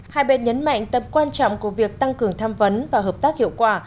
hai bên nhấn mạnh tầm quan trọng của việc tăng cường tham vấn và hợp tác hiệu quả